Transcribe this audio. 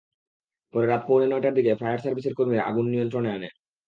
পরে রাত পৌনে নয়টার দিকে ফায়ার সার্ভিসের কর্মীরা আগুন নিয়ন্ত্রণে আনেন।